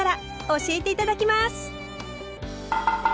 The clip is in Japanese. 教えて頂きます。